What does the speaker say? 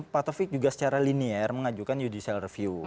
pak taufik juga secara linier mengajukan judicial review